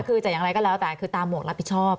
คือจะอย่างไรก็แล้วแต่คือตามหมวกรับผิดชอบ